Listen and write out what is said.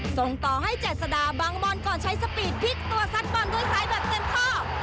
ส่งต่อให้เจษดาบางบอลก่อนใช้สปีดพลิกตัวซัดบอลด้วยซ้ายแบบเต็มข้อ